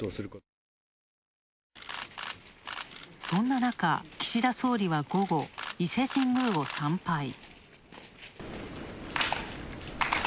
そんななか岸田総理は午後伊勢神宮を参拝。